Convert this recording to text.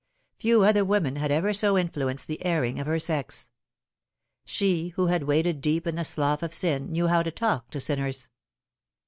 Few other women had ever so influenced the erring of her sex. Sue who had waded deep in the slough of sin knew how to talk to sinners.